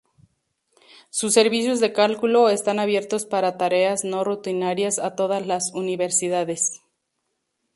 Sus servicios de cálculo están abiertos para tareas no rutinarias a todas las Universidades.